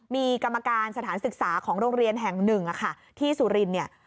มีกรรมการสถานศึกษาของโรงเรียนแห่งหนึ่งค่ะที่สุรินทร์เนี่ย